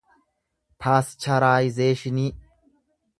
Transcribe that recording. paascharaayizeeshinii